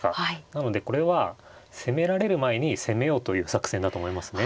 なのでこれは攻められる前に攻めようという作戦だと思いますね。